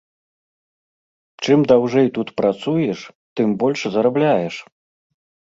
Чым даўжэй тут працуеш, тым больш зарабляеш.